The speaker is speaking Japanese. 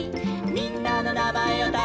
「みんなのなまえをたせば」